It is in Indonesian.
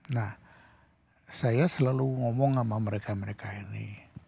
nah saya selalu ngomong sama mereka mereka ini